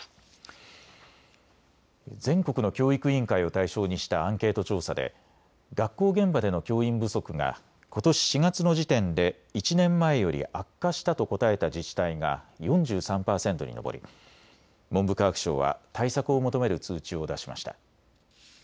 全国の教育委員会を対象にしたアンケート調査で学校現場での教員不足がことし４月の時点で１年前より悪化したと答えた自治体が４３％に上り文部科学省は対策を求める通知を出しました。